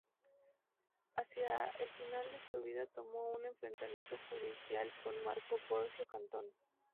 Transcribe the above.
Hacia el final de su vida tuvo un enfrentamiento judicial con Marco Porcio Catón.